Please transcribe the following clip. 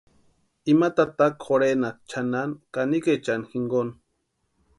Ima tataka jorhenasti chʼanani kanikaechani jinkoni.